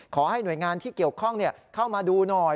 ขอให้หน่วยงานที่เกี่ยวข้องเข้ามาดูหน่อย